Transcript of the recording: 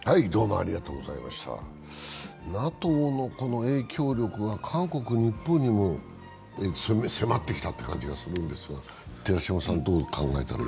ＮＡＴＯの影響力は韓国、日本にも迫ってきたという感じがするんですが、どう考えていますか？